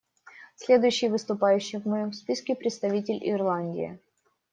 Следующий выступающий в моем списке — представитель Ирландии.